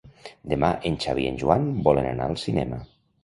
Demà en Xavi i en Joan volen anar al cinema.